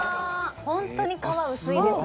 ホントに皮薄いですね。